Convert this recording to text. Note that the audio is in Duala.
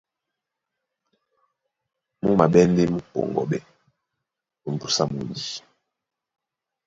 Mú maɓɛ́ ndé mú pɔŋgɔ́ɓɛ́ ómbúsá mundi.